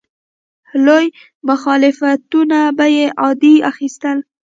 لوی مخالفتونه به یې عادي اخیستل.